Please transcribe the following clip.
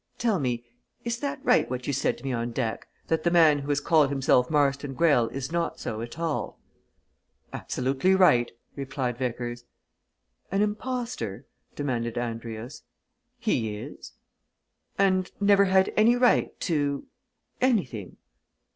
Tell me is that right what you said to me on deck, that the man who has called himself Marston Greyle is not so at all?" "Absolutely right," replied Vickers. "An impostor?" demanded Andrius. "He is!" "And never had any right to anything?"